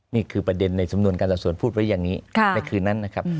นี่คือประเด็นในสำนวนการสอบสวนพูดไว้อย่างนี้ในคืนนั้นนะครับ